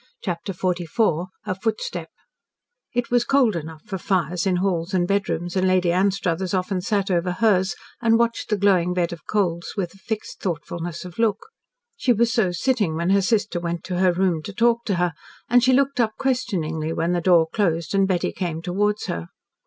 CHAPTER XLIV A FOOTSTEP It was cold enough for fires in halls and bedrooms, and Lady Anstruthers often sat over hers and watched the glowing bed of coals with a fixed thoughtfulness of look. She was so sitting when her sister went to her room to talk to her, and she looked up questioningly when the door closed and Betty came towards her.